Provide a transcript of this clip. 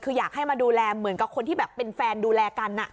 คืออยากให้มาดูแลเหมือนกับคนที่แบบเป็นแฟนดูแลกัน